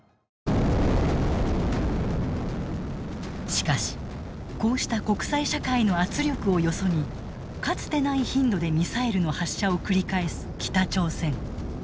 しかしこうした国際社会の圧力をよそにかつてない頻度でミサイルの発射を繰り返す北朝鮮。